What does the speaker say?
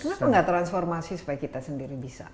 kenapa tidak transformasi supaya kita sendiri bisa